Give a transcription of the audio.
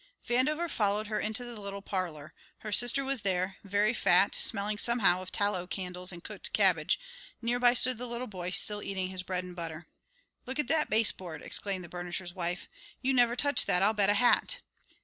Vandover followed her into the little parlour. Her sister was there, very fat, smelling somehow of tallow candles and cooked cabbage; nearby stood the little boy still eating his bread and butter. "Look at that baseboard," exclaimed the burnisher's wife. "You never touched that, I'll bet a hat."